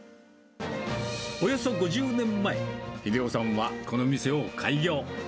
およそ５０年前、秀夫さんはこの店を開業。